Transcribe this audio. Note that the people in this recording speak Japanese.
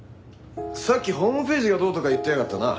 さっきホームページがどうとか言ってやがったな。